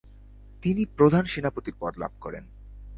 তিনি প্রধান সেনাপতির পদ লাভ করেন।